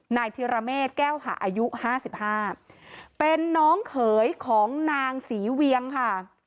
ธิระเมษแก้วหาอายุ๕๕เป็นน้องเขยของนางศรีเวียงค่ะ